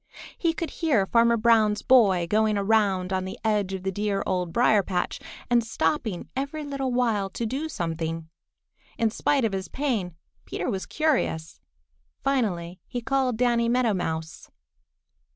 He could hear Farmer Brown's boy going around on the edge of the dear Old Briar patch and stopping every little while to do something. In spite of his pain, Peter was curious. Finally he called Danny Meadow Mouse.